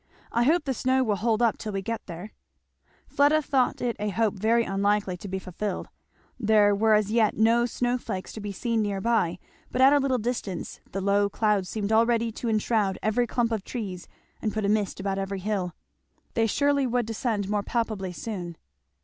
"I hope the snow will hold up till we get there," Fleda thought it a hope very unlikely to be fulfilled. There were as yet no snow flakes to be seen near by, but at a little distance the low clouds seemed already to enshroud every clump of trees and put a mist about every hill. They surely would descend more palpably soon.